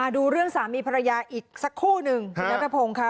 ดูเรื่องสามีภรรยาอีกสักคู่หนึ่งคุณนัทพงศ์ค่ะ